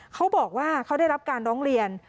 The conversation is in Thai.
เขาบอกว่าเขาได้รับการร้องเรียน